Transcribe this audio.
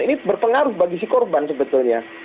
ini berpengaruh bagi si korban sebetulnya